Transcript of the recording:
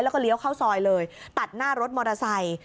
แล้วก็เลี้ยวเข้าซอยเลยตัดหน้ารถมอเตอร์ไซค์